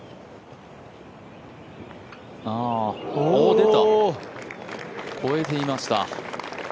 出た、越えていました。